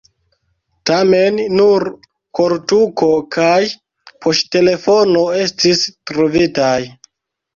Tamen nur koltuko kaj poŝtelefono estis trovitaj.